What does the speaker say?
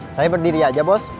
saya berdiri aja bos